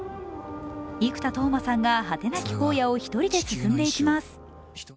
生田斗真さんが、果てなき荒野を一人で進んでいきます。